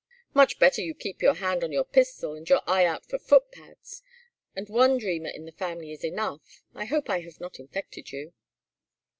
"Much better you keep your hand on your pistol and your eye out for foot pads and one dreamer in the family is enough. I hope I have not infected you."